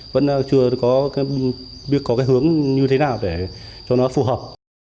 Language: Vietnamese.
vẫn chưa biết có hướng như thế nào để cho nó phù hợp